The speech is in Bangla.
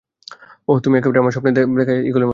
ওহ, তুমি একেবারে আমার স্বপ্নে দেখা ঈগলের মতো।